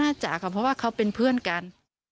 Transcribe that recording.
จากค่ะเพราะว่าเขาเป็นเพื่อนกัน